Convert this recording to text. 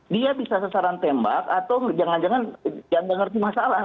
dia bisa sasaran tembak atau jangan jangan jangan ngerti masalah